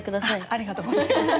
ありがとうございます。